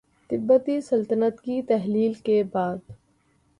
تبتی سلطنت کی تحلیل کے بعد